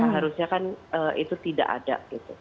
harusnya kan itu tidak ada